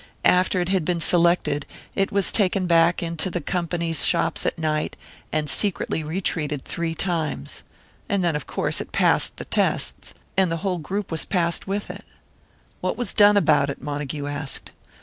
After it had been selected, it was taken back into the company's shops at night, and secretly retreated three times. And then of course it passed the tests, and the whole group was passed with it!" "What was done about it?" Montague asked.